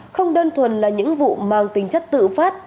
không đơn thuần là những vụ mang tính chất tự phát